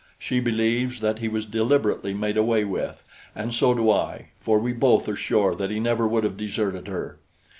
She believes that he was deliberately made away with; and so do I, for we both are sure that he never would have deserted her.